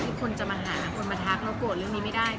ที่คนจะมาหาคนมาทักเรากลัวเรื่องนี้ไม่ได้